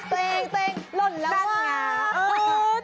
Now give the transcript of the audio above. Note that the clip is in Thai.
ตัวเองตัวเองหล่นแล้วว้าว